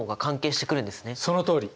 そのとおり。